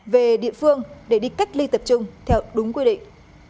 về địa phương để đi cách ly tập trung theo đúng quy định